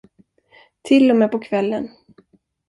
Till och med på kvällen.